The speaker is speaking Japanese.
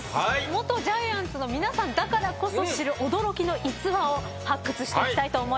元ジャイアンツの皆さんだからこそ知る驚きの逸話を発掘していきたいと思います。